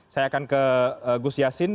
saya akan ke gus yassin